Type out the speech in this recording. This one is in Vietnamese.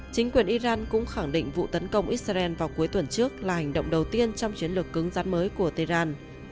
chính quyền iran cũng khẳng định vụ tấn công israel vào cuối tuần trước là hành động đầu tiên trong chiến lược cứng rắt mới của tehran